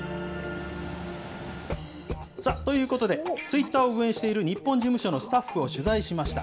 ということで、ツイッターを運営している日本事務所のスタッフを取材しました。